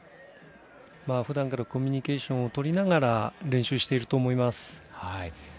ふだんからコミュニケーションをとりながら練習していると思います。